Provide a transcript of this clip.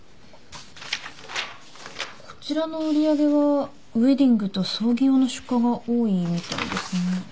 こちらの売り上げはウエディングと葬儀用の出荷が多いみたいですね。